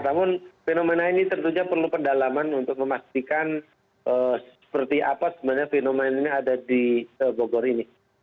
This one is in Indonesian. namun fenomena ini tentunya perlu pendalaman untuk memastikan seperti apa sebenarnya fenomena ini ada di bogor ini